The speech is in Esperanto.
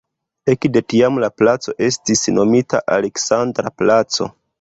Ekde tiam la placo estis nomita "Aleksandra placo".